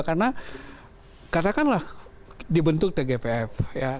karena katakanlah dibentuk tgpf